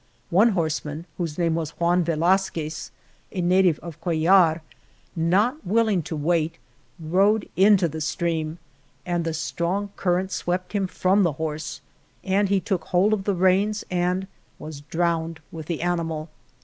One horseman, whose name was Juan Velazquez, a native of Cuellar, not willing to wait, rode into the stream, and the strong current swept him from the horse and he took hold of the reins, and was drowned with the animal.